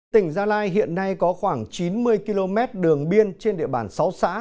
tỉnh gia lai hiện nay có khoảng chín mươi km đường biên trên địa bàn sáu xã